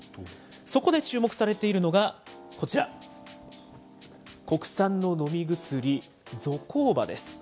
そこで注目されているのがこちら、国産の飲み薬、ゾコーバです。